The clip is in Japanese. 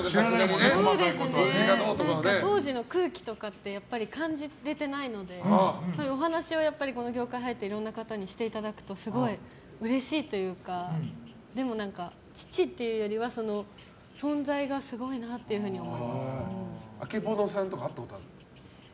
当時の空気とかって感じられていないのでそういうお話はこの業界に入っていろんな方にしていただくとすごいうれしいというかでも、父っていうよりは存在がすごいなっていうふうに曙さんとか会ったことある？